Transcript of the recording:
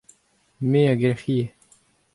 me a gelc'hie.